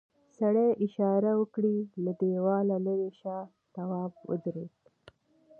سړي اشاره وکړه له دیوال ليرې شه تواب ودرېد.